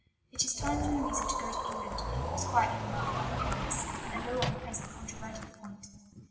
'It is time for Louisa to go to England,' was quietly remarked by the parents; and no one present controverted the point."